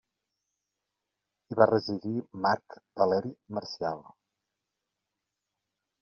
Hi va residir Marc Valeri Marcial.